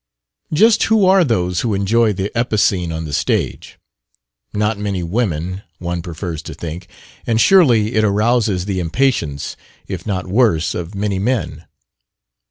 Just who are those who enjoy the epicene on the stage? Not many women, one prefers to think; and surely it arouses the impatience, if not worse, of many men.